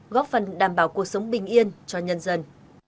góp phần đảm bảo cuộc sống bình yên cho nhân dân